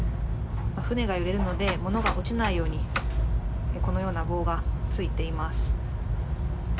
船が揺れるので物が落ちないようにこのような棒がついています。